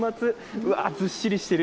うわっ、ずっしりしている。